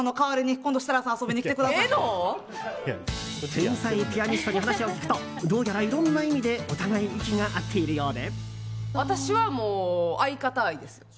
天才ピアニストに話を聞くとどうやら、いろんな意味でお互い息が合っているようで。